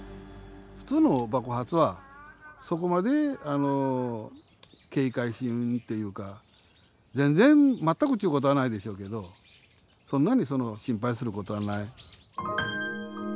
普通の爆発はそこまで警戒しんっていうか全然全くっちゅうことはないでしょうけどそんなに心配することはない。